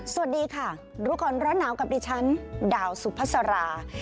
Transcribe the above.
สวัสดีค่ะรู้ก่อนร้อนหนาวกับดิฉันดาวสุภาษารา